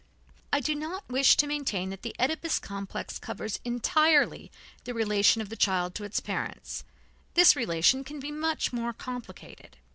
I do not wish to maintain that the Oedipus complex covers entirely the relation of the child to its parents; this relation can be much more complicated.